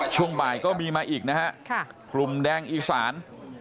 ช่วงบ่ายก็มีมาอีกนะฮะกลุ่มแดงอีสาน